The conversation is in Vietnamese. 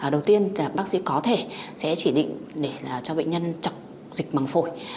đầu tiên bác sĩ có thể sẽ chỉ định để cho bệnh nhân chọc dịch bằng phổi